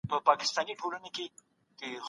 په وروسته پاته هېوادونو کي پانګه ښه نه دوران کېږي.